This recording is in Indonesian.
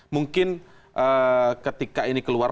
mungkin ketika ini keluar